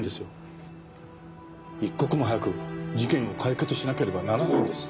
一刻も早く事件を解決しなければならないんです。